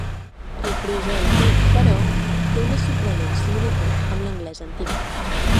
El frisó antic, però, té una sorprenent similitud amb l'anglès antic.